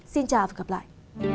xin chào và gặp lại